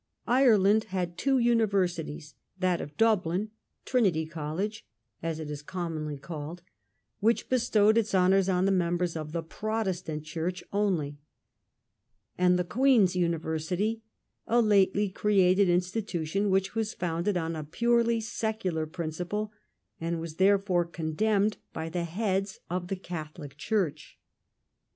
Ireland had two universities, that of Dublin — Trinity College, as it is commonly called — which bestowed its hon ors on the members of the Protestant Church only; and the Queen's University, a lately created institution, which was founded on a purely secular principle and was therefore condemned by the heads of the Catholic Church.